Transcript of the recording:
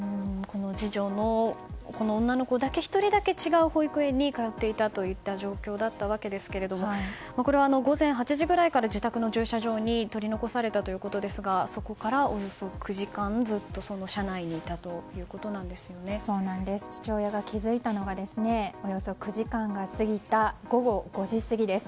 次女の、この女の子だけ１人だけ違う保育園に通っていたという状況ですがこれは午前８時くらいから自宅の駐車場に取り残されたということですがそこからおよそ９時間ずっと父親が気づいたのはおよそ９時間が過ぎた午後５時過ぎです。